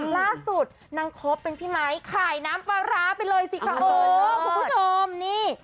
ล่าสุดนางคบเป็นพี่ไมค์ขายน้ำปลาร้าไปเลยสิคะโอ้คุณผู้ชมนี่